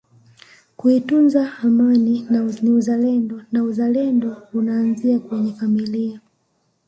kuitunza Amani ni uzalendo na uzalendo unaanzia kwenye familia